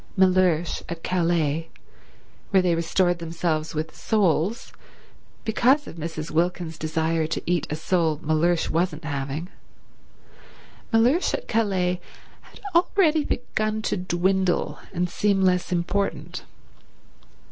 Mellersh at Calais, where they restored themselves with soles because of Mrs. Wilkins's desire to eat a sole Mellersh wasn't having—Mellersh at Calais had already begun to dwindle and seem less important.